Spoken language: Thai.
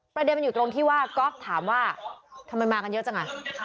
ประเด็นมันอยู่ตรงที่ว่าก๊อฟถามว่าทำไมมากันเยอะจังอ่ะ